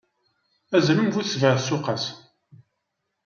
Azrem bu sebɛa tsuqqas.